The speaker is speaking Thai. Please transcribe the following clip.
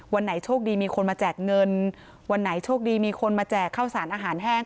วันไหนโชคดีมีคนมาแจกเงินวันไหนโชคดีมีคนมาแจกข้าวสารอาหารแห้ง